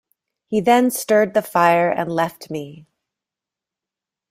He then stirred the fire and left me.